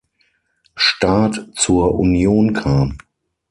Staat zur Union kam.